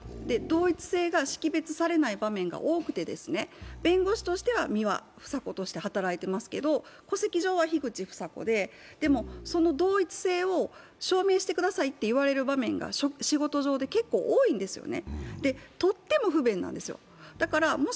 同一姓が識別されない場面が多くて、弁護士としては三輪記子として働いていますけど戸籍上はヒグチフサコででもその同一性を証明してくださいって言われる場面が仕事上ですごく多いんですよね。